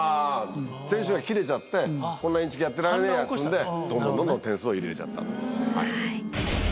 選手がキレちゃってこんなインチキやってられねえやっつうんでどんどんどんどん点数を入れられちゃった。